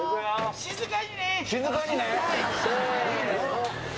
静かにね。